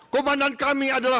komandan kami adalah